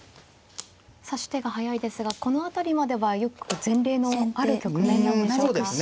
指し手が速いですがこの辺りまではよく前例のある局面なんでしょうか。